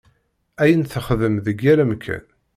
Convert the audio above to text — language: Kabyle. Ayen texdem deg yal amkan.